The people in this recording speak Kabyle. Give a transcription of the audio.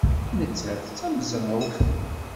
Nettat d tamezrawt.